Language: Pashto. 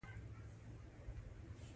هغه تر هغه وخته پوري توان ونه لري.